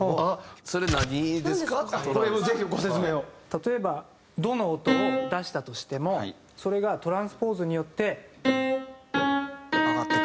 例えば「ド」の音を出したとしてもそれがトランスポーズによって。上がっていく。